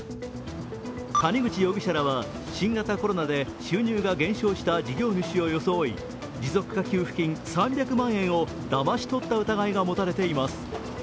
谷口容疑者らは新型コロナで収入が減少した事業主を装い持続化給付金３００万円をだまし取った疑いが持たれています。